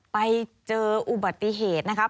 ไปเจออุบัติเหตุนะครับ